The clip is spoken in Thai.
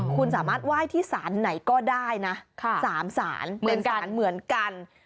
คุณสามารถไหว้ที่ศาลไหนก็ได้นะ๓ศาลเหมือนกัน